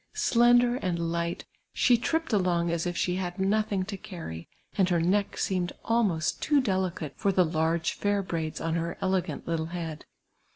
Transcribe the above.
Slender and light, she tripped along as if she had nothing to cany, and her neck seemed almost too delicate for the large fair braids on her elegant little head.